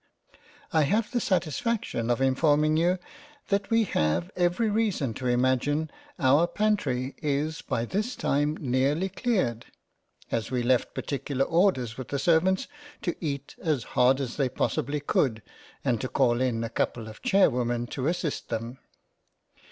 I have the satisfaction of informing you that we have every reason to imagine our pantry is by this time nearly cleared, as we left particular orders with the servants to eat as hard as they possibly could, and to call in a couple of Chairwomen to assist them.